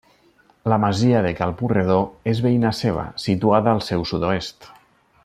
La masia de Cal Purredó és veïna seva, situada al seu sud-oest.